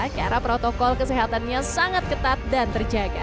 karena protokol kesehatannya sangat ketat dan terjaga